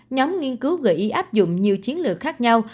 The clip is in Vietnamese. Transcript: nhóm nghiên cứu gợi ý áp dụng nhiều chiến lược khác nhau